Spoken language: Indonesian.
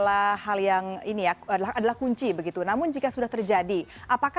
yang bisa disuruh menteri nilainya tidak ter analyse dan selanjutnya diroyali dengan angka operates untuk bezanya